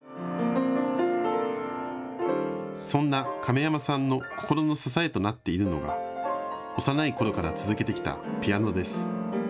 そんな亀山さんの心の支えとなっているのが幼いころから続けてきたピアノです。